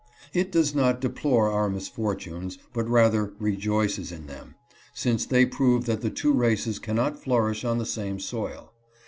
It does not deplore our misfortunes, but rather rejoices in them, since they prove that the two races cannot flourish on the same soil.